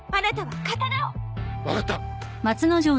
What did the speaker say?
分かった。